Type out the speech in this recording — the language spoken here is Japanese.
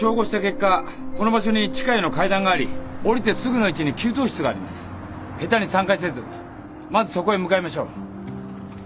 下手に散開せずまずそこへ向かいましょう。